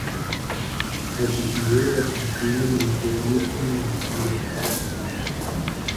تجزیه و تحلیل منطقی این مسئله